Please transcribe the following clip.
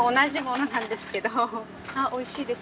おいしいです。